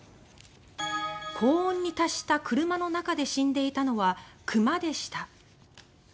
高温に達した車の中で死んでいたのは熊でした。